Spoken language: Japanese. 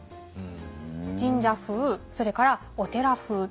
神社風それからお寺風。